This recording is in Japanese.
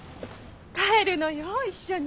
帰るのよ一緒に。